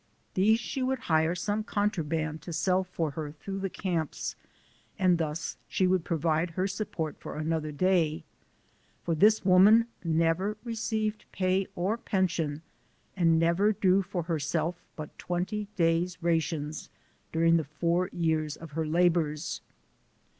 These she would hire some contraband to sell for her through the camps, and thus she would provide her support for another day ; for this woman never received pay or pension, and never drew for herself but twenty days' rations during the four years of her labors.